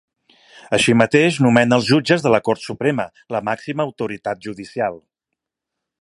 Així mateix, nomena als jutges de la Cort Suprema, la màxima autoritat judicial.